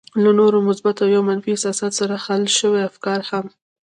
له نورو مثبتو او يا منفي احساساتو سره حل شوي افکار هم.